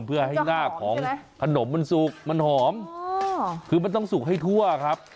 เพื่อให้หน้าของขนมมันสุกมันหอมคือมันต้องสุกให้ทั่วครับ